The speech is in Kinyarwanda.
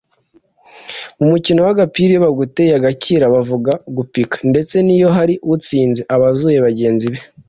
mu mukino w’agapira iyo baguteye agakira bavuga “gupika” ndetse n’iyo hari utsinze aba azuye bagenzi be